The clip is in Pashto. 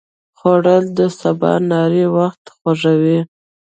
خوړل د سباناري وخت خوږوي